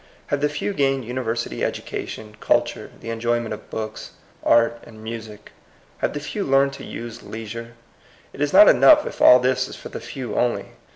Have the few gained university educa tion, culture, the enjoyment of books, art, and music? Have the few learned to use leisure? It is not enough if all this is for the few only.